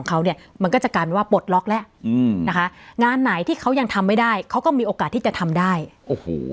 นะคะงานไหนที่เขายังทำไม่ได้เขาก็มีโอกาสที่จะทำได้โอ้โห